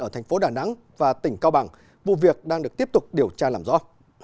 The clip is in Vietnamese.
ở thành phố đà nẵng và tỉnh cao bằng vụ việc đang được tiếp tục điều tra làm rõ